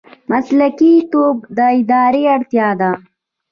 مسلکي توب د ادارې اړتیا ده